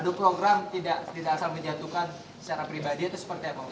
adu program tidak asal menjatukan secara pribadi itu seperti apa pak